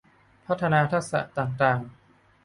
พัฒนาทักษะต่างต่าง